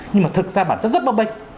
nhưng mà thực ra bản chất rất bơm bệnh